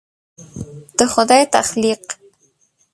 د خدای تخلیق